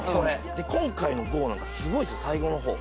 今回の号なんかすごいですよ最後のほう。